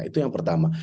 itu yang pertama